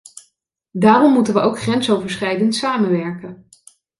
Daarom moeten we ook grensoverschrijdend samenwerken.